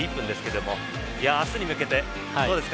明日に向けて、どうですか？